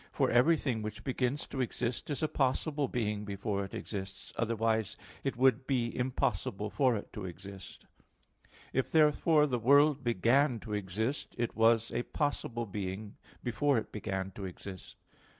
For everything which begins to exist, is a possible being before it exists: otherwise it would be impossible for it to exist. If therefore the world began to exist, it was a possible being before it began to exist.